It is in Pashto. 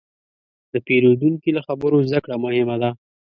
د پیرودونکي له خبرو زدهکړه مهمه ده.